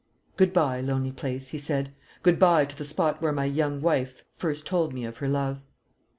"Good bye, lonely place," he said; "good bye to the spot where my young wife first told me of her love."